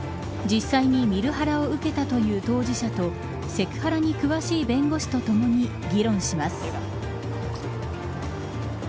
実際に見るハラを受けたという当事者とセクハラに詳しい弁護士とともに議論します。